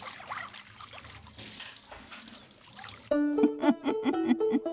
ウフフフフフフフ。